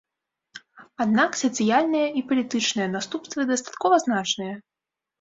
Аднак сацыяльныя і палітычныя наступствы дастаткова значныя.